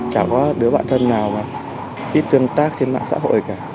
chẳng có đứa bản thân nào mà ít tương tác trên mạng xã hội cả